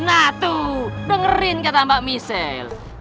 nah tuh dengerin kata mbak michelle